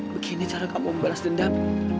begini cara kamu membalas dendam